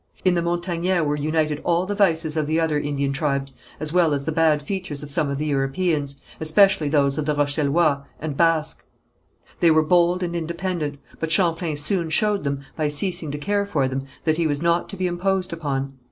In the Montagnais were united all the vices of the other Indian tribes as well as the bad features of some of the Europeans, especially those of the Rochelois and Basques. They were bold and independent, but Champlain soon showed them, by ceasing to care for them, that he was not to be imposed upon.